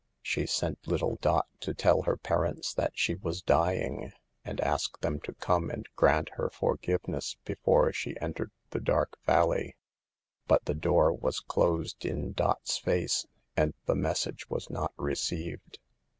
She sent little Dot to tell her parents that she was dying, and ask them to come and grant her forgiveness before she entered the dark valley, but the door was closed in Dot's face, and the message was not received.